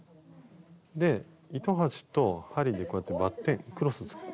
で糸端と針でこうやってバッテンクロス作る。